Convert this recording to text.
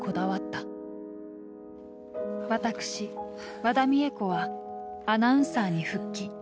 私和田実枝子はアナウンサーに復帰。